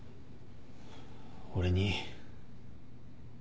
俺に。